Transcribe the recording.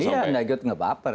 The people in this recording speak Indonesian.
iya tidak ikut ngebaper